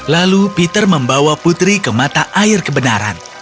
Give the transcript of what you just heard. lalu peter membawa putri ke mata air kebenaran